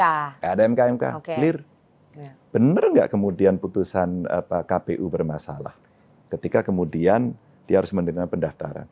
ada mk mk clear benar nggak kemudian putusan kpu bermasalah ketika kemudian dia harus menerima pendaftaran